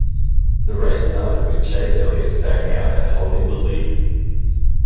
The race restarted with Chase Elliott staying out and holding the lead.